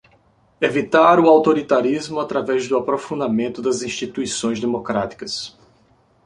Evitar o autoritarismo através do aprofundamento das instituições democráticas